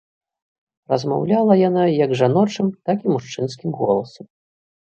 Размаўляла яна як жаночым, так і мужчынскім голасам.